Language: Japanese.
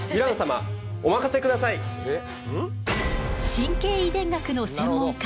神経遺伝学の専門家